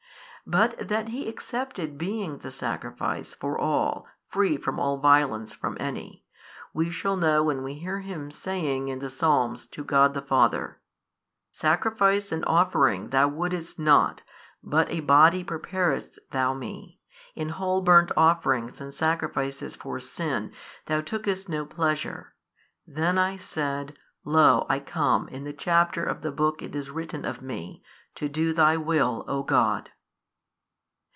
But that He accepted being the Sacrifice for all free from all violence from any, we shall know when we hear Him saying in the Psalms to God the Father, Sacrifice and, offering Thou wouldest not, but a Body preparedst Thou Me: in whole burnt offerings and sacrifices for sin Thou tookest no pleasure: then I said, Lo I come, in the chapter of the book it is written of Me, to do Thy will, O God.